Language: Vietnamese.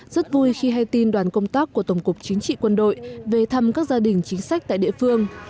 rất vui khi hay tin đoàn công tác của tổng cục chính trị quân đội về thăm các gia đình chính sách tại địa phương